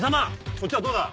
そっちはどうだ？